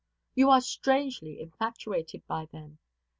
You are strangely infatuated by them!